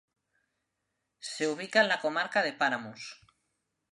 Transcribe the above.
Se ubica en la comarca de Páramos.